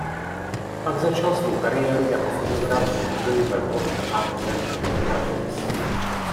Pak začal svou kariéru jako fotograf v muzeu ve Walker Art Center v Minneapolis.